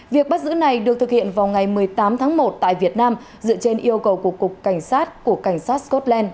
việc bắt giữ này được thực hiện vào ngày một mươi tám tháng một tại việt nam dựa trên yêu cầu của cục cảnh sát của cảnh sát scotland